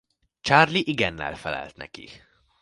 Charlie igennel felel neki.